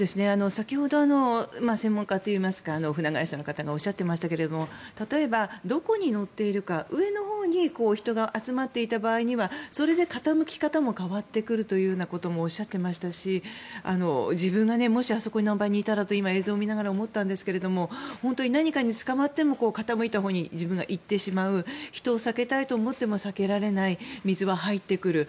先ほど専門家といいますか船会社の方がおっしゃっていましたが例えばどこに乗っているか上のほうに人が集まっていればそれで傾き方も変わってくるというようなこともおっしゃっていましたし自分がもしあそこの場にいたらと今、映像を見ながら思ったんですが本当に何かにつかまっても傾いたほうに自分が行ってしまう人を避けたいと思っても避けられない水は入ってくる。